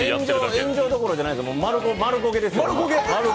炎上どころじゃないです、丸焦げです。